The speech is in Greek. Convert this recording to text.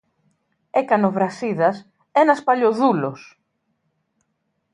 έκανε ο Βρασίδας, ένας παλιοδούλος